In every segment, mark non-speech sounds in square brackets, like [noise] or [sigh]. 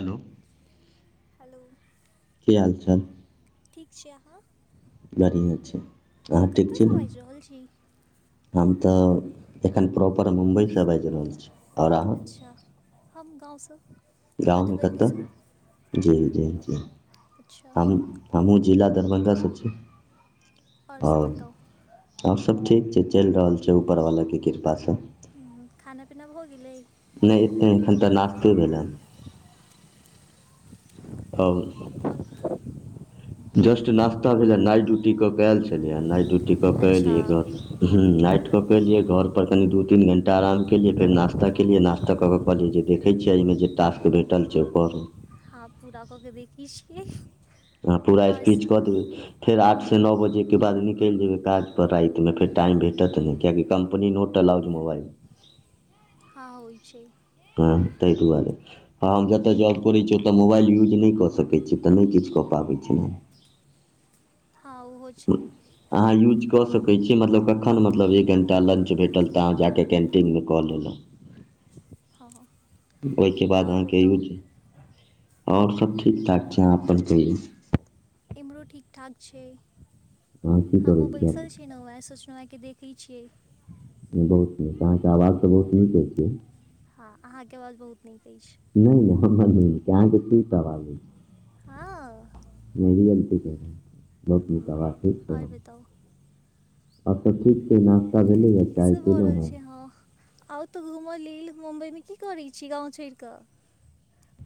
Hello [inaudible] hello की हाल चाल ठीक छी अहाँ बढ़िएँ छै अहु ठीक छी कतयसँ ने बाजि रहल छी हम तऽ एखन प्रॉपर मुम्बई सँ बाजि रहल छी और अहाँ अच्छा हम गाँव सँ गांम कतह जी जी जी अच्छा हम हमहु जिला दरभंगा सँ छी आओर सभ ओर बताउ ओर सभ ठीक छै चैल रहल छै ऊपरवलाके कृपासँ ह खाना पीना भऽ गेलै नहि एते एखन तऽ नाश्ते भेलै ओ जस्ट नास्ता भेलै नाट ड्यूटीऽ केऽ आयल छलियैँ नाइट ड्यूटी कऽ अच्छा एलियै घर हँ नाट केलियै घर पर कनि दू तीन घंटा आराम केलियै फेर नास्ता केलियै नास्ता तऽ कऽ कऽ कहलियै जे देखै छियै एहि में जे टास्क भेटल छै ओ पढू हँ पूरा कऽ के देखीस कि अहाँ पूरा स्पीच कऽ देबै फेर आठसँ हँ नओ बजेके बाद निकैल जेबै काज रातिमे फेर टाइमेटत नहि कियाकि कम्पनी नहि होटल आउज मोबाइलमे हँ होइ छै टोन तैय दुआरें हँ हम जतऽ जॉब करैत छी ओतऽ मोबाइल यूज नहि कऽ सकैत छी तऽ नहि किछु कऽ पाबै छी ने हँ ओहो छै अहाँ यूज कऽ सकै छी मतलब कखन मतलब एक घण्टा लंच भेटल तऽ अहाँ जाकऽ कैन्टीनमे कऽ हँ लेलहुँ ओहिके बाद आओर अहाँके बताउ यूज आओर सब ठीकठाक छै अहाँ अपन कहियौ इमरो ठीक ठाक छै अहाँ की हम करै छियै बैसल छी नु है सोचना है कि देख ली छियै नहि बहुत नीक अहाँ के आवाज तऽ बहुत नीक होइत छै हँ अहाँके आवाज बहुत नीक अछि नहि नहि हमरा नहि कहाँ के की हँ नहि गत बत हम्म, नतााबा ठीक त आओर बताउ और सभ ठीक छै नाश्ता भेलैए चाय केलहुँ हेँ ओ ह आउ तऽ घूमय लेल मुम्बइमे की करैत छी गाँव छोड़ कऽ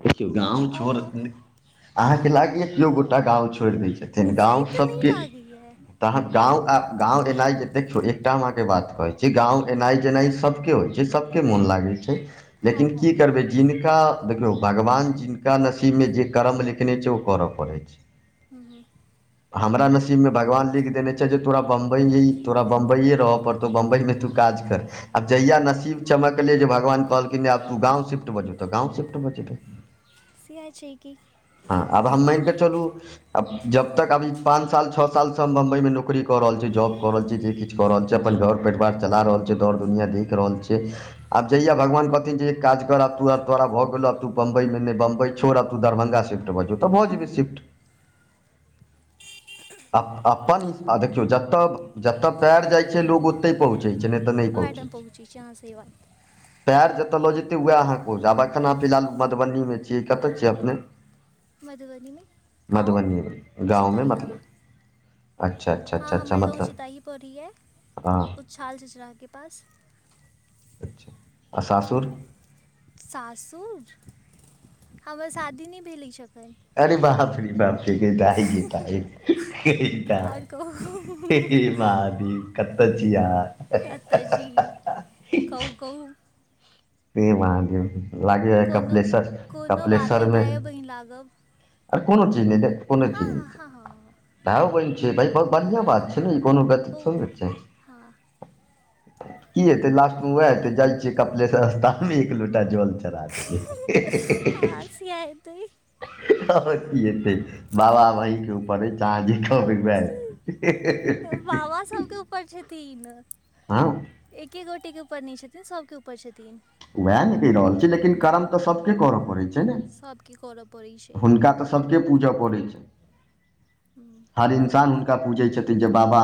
देखियौ गांव आउ छोड़ गाँव अहाँ के लागय केहो गोटा गांव छोड़ दऽ छै छथिन से गाँव तऽ नहि सबके लागैए तऽ अहाँ गाँव गाँ एनाइ जे देखियौ एकटा हम अहाँ के बात कहैत छी गाँ एनाइ जेनाइ सभ के होइ छै सभ के मोन लागै छै हँ लेकिन हँ की करबै जिनका देखियौ भगवान जिन का नसीब में जे कर्म लिखने छै ओ करऽ पड़ैत छै हँ हँ हमरा नसीब में भगवान लिख देने छै जे तोरा बंबई तोरा बंबई ये रह परतो तो बंबई में काज कर आब जहिया नसीब चमकलै जे भगवान कहलखिन आब तू गांव शिफ्ट भऽ जो तऽ गांव शिफ्ट भऽ जैबै सी आइच की हँ आब हम मान केे चलूब जब तक अभी पान पच साल छओ सालसँ हम बम्बइमे नौकरी कऽ रहल छी जॉब कऽ रहल छी जे किछु कऽ रहल छी अपन घर परिवार चला रहल छी र दुनिया देख रहल छै आब जहिया भगवान कहथिन जे काज कर तो तोरा भऽ गेल तू बम्बई मे बम्बई छोर आब तु दरभंगा शिफ्त भ जो ते भ जबे शिफ्त अप् अपन देखियौ जतय जतय पैर जाई छै लोक तै पहुँचै छै नहि तऽ नहि पहुँचै ओएहठाम छै छी अहाँ सही बात पैड़ जते लऽ जेते वएह को आब खाना पिलालू मधुबनीमे छियै कतय छियै अपने मधुबनीमे गाँव मधुबनीमे चित गाँवमे आई हँ मतलब अच्छा अच्छा हँ अच्छा अच्छा हमर मतलब गाँव ताहि पोडीहल है हँ उछाल झचरा के पास अच्छा आऽ सासुर सासुर हमर शादी नहि भेल अछी एखन अरे बाप रे बापरी जाहि एका एक आओर कहैत कहू हेथ महाद्विप करै छि अहाँ क्या तऽ जी कहू कहू हे महादेव लागै ऐ कोनो कपिलेश्वर कोनो बात कपिलेश्वर नहि में भाय बहिन लागब आ कोनो चीज नहि देख कोनो हँ चीज हँ नहि हँ हँ हँ ता ब छै भ बढ़िआँ बात छै ने ई कोनो गति बहुत थोड़ी छै हँ की हेतै लास्ट में वोहा हेतै जाई छियै कपालेश्वर रस्तामे एक लोटा जल चढ़ा दैले आर से आयतै आर की हेते बाबा भइके आब अहाँ जे कहबैए सेह हैतै ह सबके सुतल छथीन हाँ एके गोटे के ऊपर नहि छथिन सब के ऊपर छथिन उएह नहि कहि रहल छी लेकिन हूँ हूँ कर्म तऽ सभके करऽ पड़ैत छै ने सभके करऽ पड़ैत छै हुनका तऽ सभके पूजा पड़ैत छै हुं हर इन्सान हुनका पूछै छथिन जे बाबा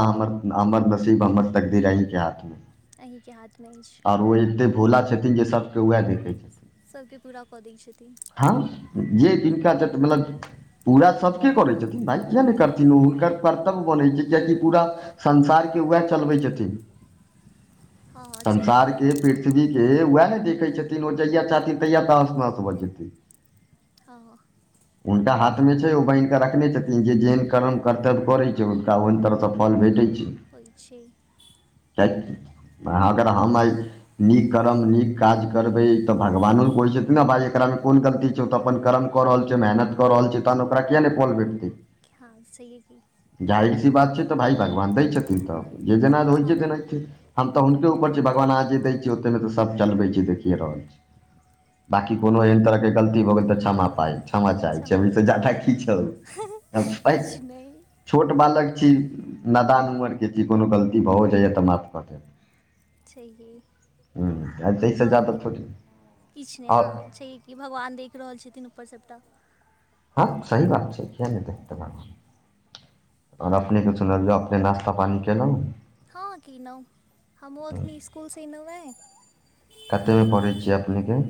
हमर सी महम्मद तकदीरा ह के हाथमे अहीँके हाथमे अछि और एते भोला छै छथिन जे सबके वएह देखै छै सभके पूरा कऽ दै छथिन हँ जे जिनका जट मतलब पूरा सभ के कोरैत छथिन भाय किएक नहि करथिन ओ हुनकर कर्तव्य बनहै छै किएकि पूरा संसार के उएह चलबै छथिन हँ हँ छैहे की संसारके प्रीति पृथ्वी के उएह ने देखै छथिन ओ जहिया चाहथिन तहिया तहश नहश भऽ जेतै ह ह हुनका हाथ में छै ओ बान्हि कऽ रखने छथिन जे जेहन कर्म करतै करै छै ओ तऽ ओहन तरहसँ फल भेटै छै होइ छै च अगर हम आइ नीक अगर हम नीक काज करबै तऽ भगवानो कहै छथिन ने भाई एकरा में कोन गलती छै ओ तऽ अपन करम कऽ रहल छै मेहनत कऽ रहल छै तहन ओकरा किया नहि पोल भेटतै हाँ सहिए की जहिर सी बात छै तऽ भाय भगवान दै छथिन तऽ जे जेना होइ हँ जे हँ देनाइथिन हम तऽ हुनके ऊपर छी भगवान आजी दै छीयै ओते तऽ सब चलबै छी देखिए रहल छी बाँकी कोनो एहन तरहके गलती भ गेल तऽ क्षमा पाइ छै समाचार क्षमा तऽ पड़य ज्यादा हँ हँ की छे किछु नहि छोट बालक छी नदान उमर के छी कोनो गलती भऽ जाइए तऽ माफ कऽ देब छैए की हूँ ताहिसँ और जादा कहिओ थोड़ी किछ नहि आओर हँ कि भगवान देख रहल छथिन ऊपर सभटा हाँ सही बात छै किए नहि देखते बा और अपने के सुनबवियौ अपने नास्ता पानी केलहुँ हँ की नहि हमहुँ अखनी इसकूल सीनमे कतेकमे पढ़ै छिय अपने के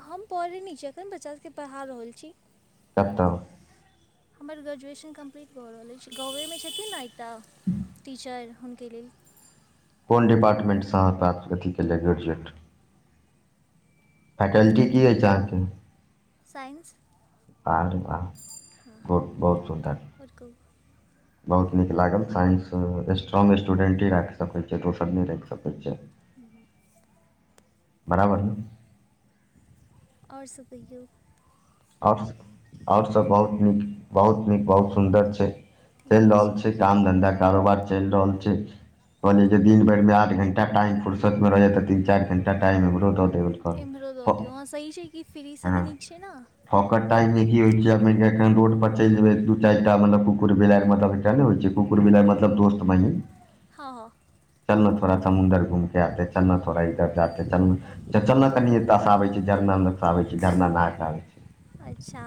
हम पौरिणी छी जखन बच्चा सबके पढ़ा रहल छी कतैय हमर ग्रेजुएशन कम्प्लीट भऽ रहल अछि गाँवेमे छथिन ने एकटा टीचर हुनके लेल कोन डिपार्टमेन्टसँ अहाँ प्राप्त अथी केलल गेजुएट फैकल्टी की अछि अहाँके साइन्स प बहुत बहुत सुन्दर आओर कहू बहुत नीक लागल साइंस स्ट्रोंग स्टूडेंटेी राखि सकै छै दोसर नहि राखि सकै छै ब बराबर ओर सब कहियौ आर्ट्स आर्ट्स सब बहुत नीक बहुत नीक बहुत सुन्दर छै चलि रहल छै काम धन्धा कारोबार चलि रहल छै कहली जे दिन भरि मे आठ घंटा टाइम फुर्सत में रहैय तीन चारि घंटा टाइम हमरो दऽ देेल इम्हरो दऽ दियौ सही छै कि फ्री से तऽ नीक छै ने फक टाइम मे की होइ छैन रोड पर चलि जेबै दू चारिटातलब कुकुर बेला मतलब ने होइ छै कुकुर मिला मतलब दोस्त महीन हँ हँ चलना ड़ा समुन्दर घूमके आते चलना थोड़ा इधर जाते चलना चऽ चलना कनिए ततास आै छै झरना नुकसँ आबै छै झरना नाक आबै छै अच्छा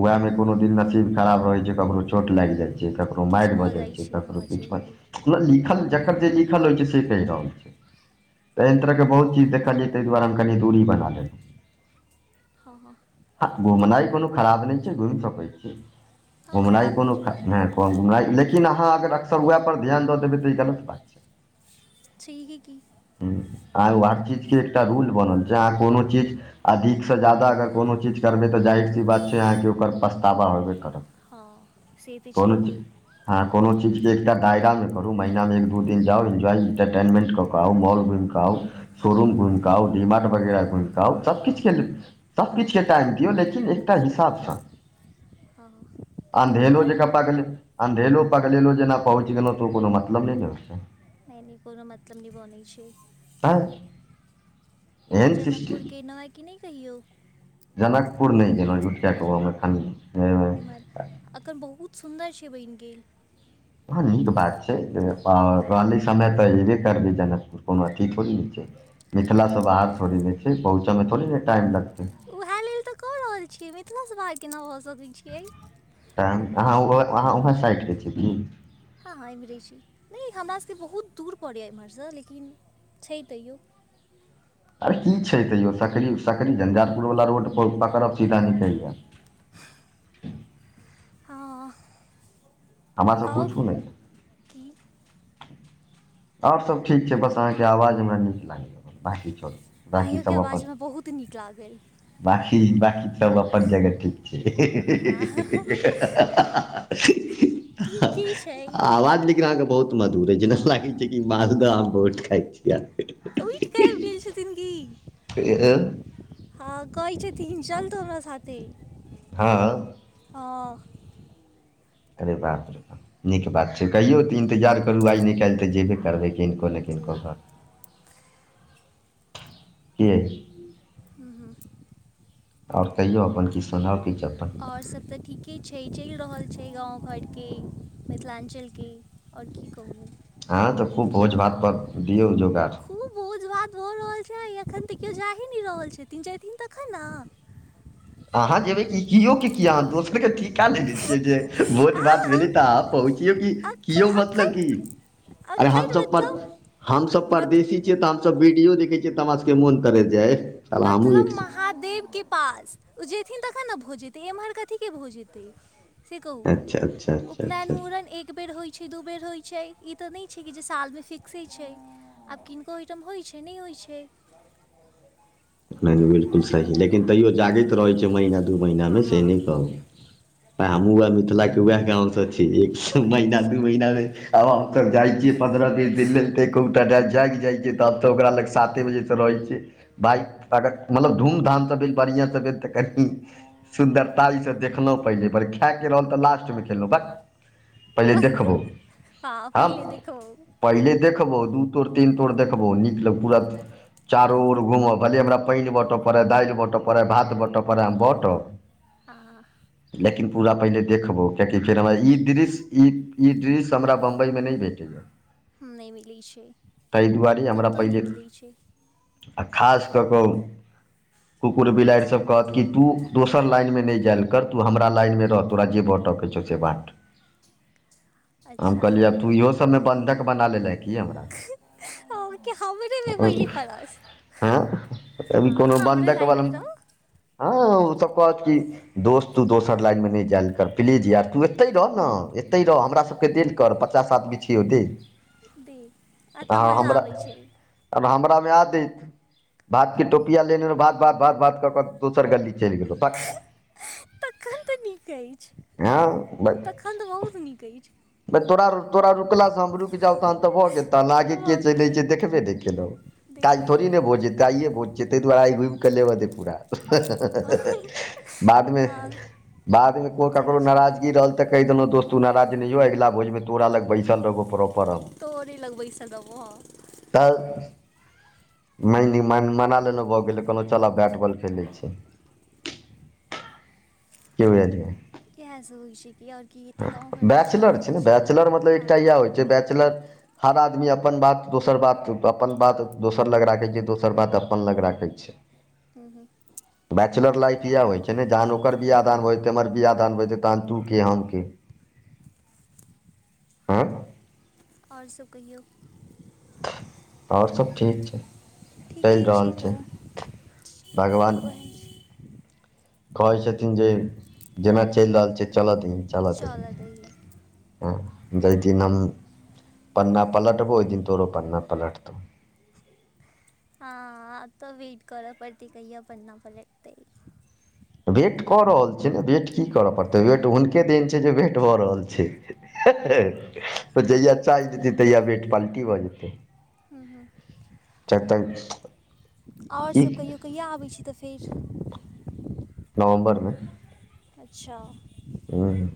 उएह में कोनो दिन नसीब खराब रहे छै ककरो चोट लागि जाय छै ककरो किछु मारि भऽ जाइ छै ककरो हँ छै किछु ब कि छै लिखल जकर जे लिखल होइ छै, से कहि रहल छै। ओहि तरहके बहुत चीज देखलियै, ताहि दुआरे हम कनी दूरी बना लेब। हाँ हाँ हँ, घुमनाइ कोनो खराब नहि छै, घुमि सकैत छी। हँ घुमनाइ खराब कोनो नहि छै कहलहुँ हमरा, लेकिन अहाँ अगर अक्सर ओहिपर ध्यान दऽ देबै तऽ ई गलत बात छै। छैए की? हां आ ओ हर चीजके एकटा रूल बनल छै, अहाँ कोनो चीज अधिकसँ ज्यादा अगर कोनो चीज करबै तऽ जाहिर सी बात छै, अहाँके ओकर पछतावा होबे करत। हँ, से तऽ कोनो छैहिए। हँ, कोनो चीजके एकटा दायरा ने, कर महिना मे एक दू दिन जाउ, एन्जॉय इंटरटेनमेन्ट कऽ कऽ आउ, मॉल घूमि कऽ। घूम, शोरूम घूमि कऽ, डीमार्ट वगैरह घूमि आउ, सभ किछुके लेल, सभ किछुके टाइम। तऽ देखहिन, एकटा जे साफ साफ हँ हँ अन्हेरो आओर जेना। अन्हेरो पकड़ि लेलहुँ जेना, पहुँच गेलहुँ तऽ ओ कोनो मतलब नहि ने होइ छै। नहि नहि, कोनो मतलब नहि होइ छै। आय [unintelligible] आओर जनकपुर गेलहुँ कि नहि, कहियौ? जनकपुर नहि गेलहुँ, उठिया के गाममे? एम्हर अखन बहुत सुन्दर छै, बनि गेल। हँ, नीक बात छै, हँ रहले। समय तऽ अयबे करबै, जनकपुर कोनो अथी थोड़े छै। मिथिलासँ हँ। बाहर थोड़े ने छै, पहुँचऽमे थोड़े ने टाइम लगतै। उएह लेल तऽ कहलो। छियै, मिथिला सँ भागि कऽ नहि भऽ सकै छियै। तऽ अहाँ, अहाँ हँ उएह हँ साइडके छी की? हँ हँ, एम्हरे छी। नहि, हमरासभके बहुत दूर पड़ैए एम्हरसँ, लेकिन। छै, तैयो। आओर की छै, तैयो सकरी सकरी झंझारपुरवला रोड पकड़ब, सीधा निकलि जायब। हँ। हमरा से आउ पूछू नहि। की? आओर सभ ठीक छै, बस अहाँके आवाज हमरा नीक लागैए, बाँकी चल। अइयोके आवाज हमरा बहुत नीक लागल। बाकी सभ अपन जगह ठीक छै, हँ हि हि हा हा। ठीके छै आवाज नहि। अहाँके आवाज बहुत मधुर छै, जेना लागै छै कि मालदह आम बहुत खाइत छियै। पिटि कऽ आबि गेल छथिन गी। ह हँ, कहै छथिन, चल तू हमरा साथे। हाँ अऽ। हा। करै बाप, नीक बात छै। कहियो तऽ इन्तजार करू, आइ काल्हि तऽ जेबे करबै कनि। [unintelligible] कि जी याए? हू, हू। आओर कहियो अपन कि सुनल कि जे? आओर सभ तऽ ठीके छै, चलि रहल छै गाम घरके। मिथिलांचलके आओर की कहू। हँ तऽ खूब भोज भात पर दियौ जोगाड़। खूब भोज भात भऽ रहल छै, आ अखन तऽ केओ जा ही नहि रहल छथिन, जथिन तखन ने। अहाँ जेबै ई की, किए अहाँ दोसरके ठीका नहि दैत छियै जे भोज आ भात भेलै तऽ अहाँ हम पहुँचियौ कि? अख- किओ मतलब अखन कि अरे हम अखन सब पर मतलब हमस मत, परदेशी तऽ हम सब वीडियो देखे छियै तऽ हमरा सब के मोन तरश जाय मतलब महा देव के पास ओ जेयथिन तखन ने भो जेतै एम्हर कथीके भो जेतै से कहू अच्छा अच्छा अच्छा अच्छा उपनयनमूुरन एक एक बेर होइत छै दू बेर होइत छै ई तऽ नहि छै कि जे सालमे फिक्से छै आब किन को ओहिटम होइत छै नहि होइत छै ब [inaudible] नहि नहि बिलकुल सही लेकिन तैो जागैत रहै छै महीना दू हँ महीनामे से हँ नहि कहू आ हमहूँ वएह मिथिलाे उएह गाँव सँ छी एक स उएह महीना तऽ दू छथिन महीना में आब हम तऽ जाइ छियै पन्द्रह बीस दिन लेल तऽ एक गोटा जाागि जाइ छियै तब तऽ ओक लग साते बजेसँ रहै छियै बाइक अगर मतलब धूम धामसँ भेल बढ़िआँ सँ भेल तऽ कनि सुन्दरताइ सँ देखलहुँ पहिले पर खाय के रहल तऽ लास्ट में खेलहुँ ब प हम पहिले देख पहिले देखबौ दू तोड़ तीन तोर देखबौ नीक लग पूरा चारो ओर घूमब कहली हमरा पानि बटय पड़य दालि बँटय पड़ैय भात बँटय पड़ै हम बाँटब आ ह लेकिन पूरा पहिने देखबो कियकि फेर हमरा ई दृश्य ई ई दृश्य हमरा बं्बईमे नहि भेटल वोह [inaudible] नहि मिलैए छै हमरा कतउ नहि पहिले मिलैत छै आ खास कऽ कऽ कुकुर बिलाड़ि सब कहत कि तू दोसर लाइन में नहि जाइल कर तू हमरा लाइन में रह तोरा जे भँटक हम अच्छा कहलियै आब तू इहो सभमे बन्धक बना लेलह की हमरा हमबरेमे बहिली फरस हँ अभी हँ कोनो हमरे बन्धक बला लाइनमे तऽ हँ सब कहात किी दोस्त तू दोसर लाइनमे नहि जायल कर प्लीज यार तू एतहि रह ने एतहि रह हमरा सभ सबके तेल कर पचास आदमी छियऔ दे दे एतऽ अहाँ मजा आबै हमरा छै आब हमरा में आदेत भातके टोपिया लेनेहुँ भात भात भात भात कऽ कऽ दोसर गली चलि गेलहु पक तखन नीक अछि हँ ब अखन त बहुत नीक अछि तोरा तोरा रुकला स हम रु तहन तऽ भऽ गेल तह ले के भऽ चलित गेलै छै देखबे नहि केलहुँ काज देखबै थोड़ी ने बजत गायए बोज छै तहि दुआरे घुमिके लेब द पुरा नहि बाद में हँ बाद मे को ककरो सही छै नाराजगी रहल तऽ कहिेलहुँ दस्त त नाराज नहियो अगिल भोजमे तोरा लग बैसल रहोबो प्रो तोरे लग बैसल रहबा ह तऽ म मना लेलेहु भऽ गेल कहलहुँ चल बैट बॉल खेलै छी के भ आजबै इएह सब होइ छै कि आओर की हेतै गाँव घरके चलि बैचलर छै रहल ने बैचलर मतलब हँ एकटा इएह होइ छै बैचलर हर आदमी अपन बात दोसर बात अपन बात दोसर लग राखैत छै दोसर बात अपन लग राखैत छै [unintelligible] हू हू बैचलर लाइफ इएह होइ छै ने जान ओकर बिया दान होे हमर बियाह दान हो तहन तू के हम के हँ ओर सभ कहियौ और सभ ठीक छै चैल ठीके रहल छै तऽ भगवान उएह छै कहै छथिन जे जेना चैल रहल छै चल दही चल दही जे दिनम पन्ना पलटबो ओ दिन तोरो पन्ना पलट तो हाँ तऽ वेट करऽ पड़तै कहिया पन्ना नहि पलटतै वेट कऽ रहल छियै ने वेट की करय पड़तै वेट हुनके देिन छै जे वेट भऽ रहल छै त जहिआ चाइ ज तहिआ वेट पालटी भ जतै हँ हँ [unintelligible] और की सभ कहियो कहिया आबैत छी तऽ फेर नवम्बरमे अच्छा हममम